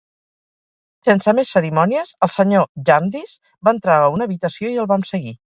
Sense més cerimònies, el sr. Jarndyce va entrar a una habitació i el vam seguir.